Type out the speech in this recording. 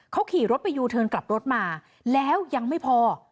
เขาขี่รถไปยูเทิร์นกลับรถมาแล้วยังไม่พอ